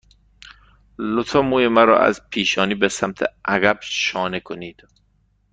لطفاً موی مرا از پیشانی به سمت عقب شانه کنید.